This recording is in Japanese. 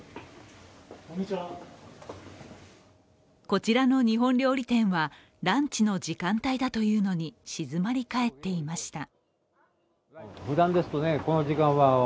こちらの日本料理店はランチの時間帯だというのに静まりかえっていました。